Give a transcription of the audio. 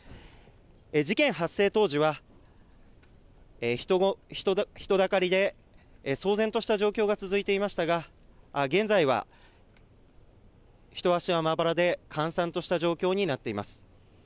事件発生当時は人だかりで騒然とした状況が続いていましたが、現在は人足はまばらで閑散とした状況になっています。